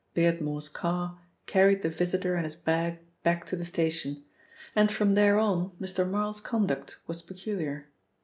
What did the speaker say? Beardmore's car carried the visitor and his bag back to the station, and from there on Mr. Marl's conduct was peculiar.